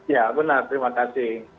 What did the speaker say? ya benar terima kasih